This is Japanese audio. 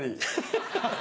ハハハ！